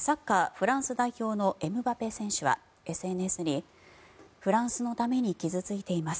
フランス代表のエムバペ選手はＳＮＳにフランスのために傷付いています